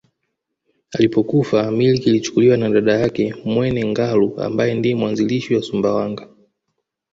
Alipokufa milki ilichukuliwa na dada yake Mwene Ngalu ambaye ndiye mwanzilishi wa Sumbawanga